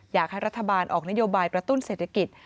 อยากให้รัฐบาลออกนโยบายกระตุ้นเศรษฐกิจ